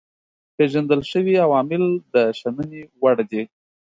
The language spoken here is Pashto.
پيژندل شوي عوامل د شنني وړ دي.